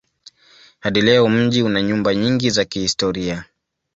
Hadi leo mji una nyumba nyingi za kihistoria.